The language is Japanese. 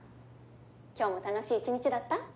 今日も楽しい一日だった？